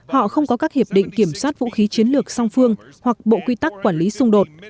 họ không có các hiệp định kiểm soát vũ khí chiến lược song phương hoặc bộ quy tắc quản lý xung đột